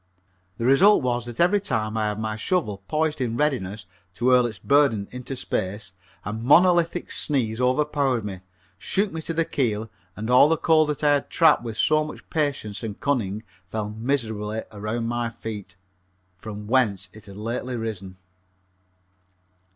The result was that every time I had my shovel poised in readiness to hurl its burden into space a monolithic sneeze overpowered me, shook me to the keel, and all the coal that I had trapped with so much patience and cunning fell miserably around my feet, from whence it had lately risen.